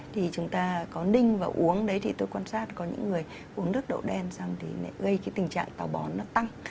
thì chúng ta có ninh và uống đấy thì tôi quan sát có những người uống nước đậu đen xong thì lại gây cái tình trạng tàu bón nó tăng